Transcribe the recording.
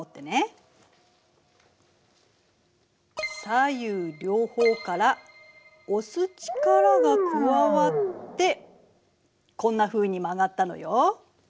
左右両方から押す力が加わってこんなふうに曲がったのよ。